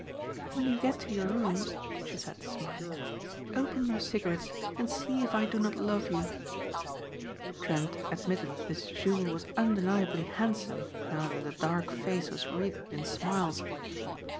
"When you get to your rooms," she said, smiling, "open your cigarettes and see if I do not love you." Trent admitted this Jules was undeniably handsome now that the dark face was wreathed in smiles.